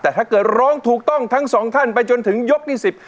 แต่ถ้าเกิดร้องถูกต้องทั้งสองท่านไปจนถึงยกที่สิบ